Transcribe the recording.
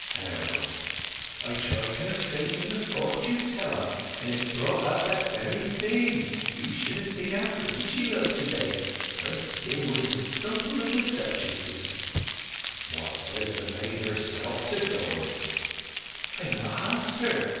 "How?" "I tried her fate in the Fortune Teller, and it brought out that very thing!... You should ha' seen how pretty she looked to day; her skin is as sumple as a duchess'." "What says the maid herself to going?" "I've not asked her.